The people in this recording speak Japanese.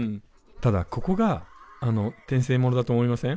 ただここが転生モノだと思いません？